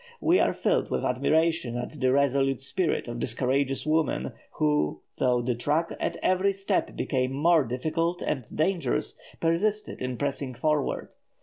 We are filled with admiration at the resolute spirit of this courageous woman, who, though the track at every step became more difficult and dangerous, persisted in pressing forward.